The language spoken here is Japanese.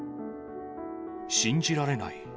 信じられない。